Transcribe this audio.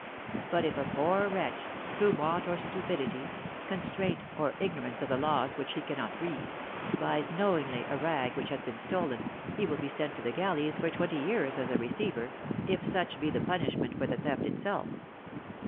But if a poor wretch, through want or stupidity, constraint, or ignorance of the laws which he cannot read, buys knowingly a rag which has been stolen, he will be sent to the galleys for twenty years as a receiver, if such be the punishment for the theft itself.